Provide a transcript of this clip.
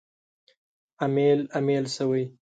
امیل، امیل شوی